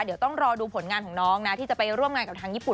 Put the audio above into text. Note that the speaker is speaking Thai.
เดี๋ยวต้องรอดูผลงานของน้องนะที่จะไปร่วมงานกับทางญี่ปุ่น